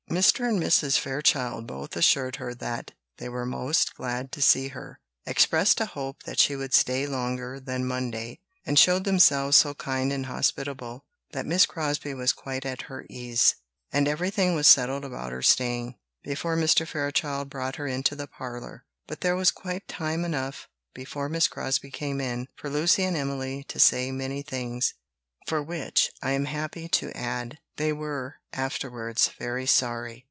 Mr. and Mrs. Fairchild both assured her that they were most glad to see her; expressed a hope that she would stay longer than Monday, and showed themselves so kind and hospitable, that Miss Crosbie was quite at her ease, and everything was settled about her staying, before Mr. Fairchild brought her into the parlour. But there was quite time enough, before Miss Crosbie came in, for Lucy and Emily to say many things, for which, I am happy to add, they were afterwards very sorry.